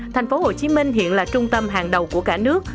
thành phố hồ chí minh hiện là trung tâm hàng đầu của cả nước